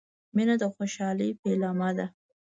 • مینه د خوشحالۍ پیلامه ده.